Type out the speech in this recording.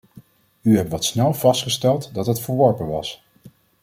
U hebt wat snel vastgesteld dat het verworpen was.